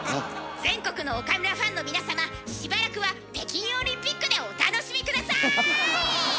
全国の岡村ファンの皆様しばらくは北京オリンピックでお楽しみ下さい！